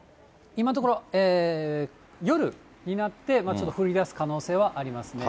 今のところ、夜になってちょっと降りだす可能性はありますね。